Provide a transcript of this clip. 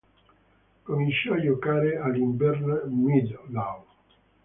Cominciò a giocare all'Irvine Meadow.